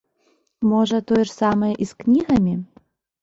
Можа, тое ж самае і з кнігамі?